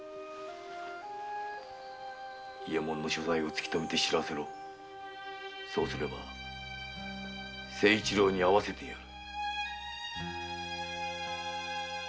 伊右衛門の所在を突きとめて報せろそうすれば誠一郎に会わせてやる。